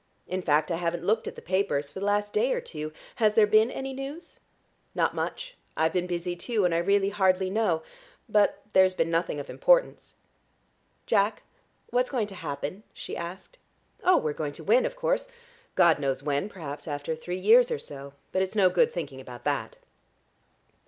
In fact, I haven't looked at the papers for the last day or two. Has there been any news?" "Not much. I've been busy too, and I really hardly know. But there's been nothing of importance." "Jack, what's going to happen?" she asked. "Oh, we're going to win, of course. God knows when. Perhaps after three years or so. But it's no good thinking about that."